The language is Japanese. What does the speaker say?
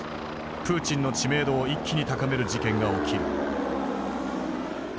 プーチンの知名度を一気に高める事件が起きる。